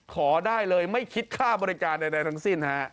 ขอได้เลยไม่คิดค่าบริการใดทั้งสิ้นฮะ